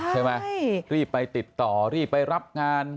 ใช่ไหมรีบไปติดต่อรีบไปรับงาน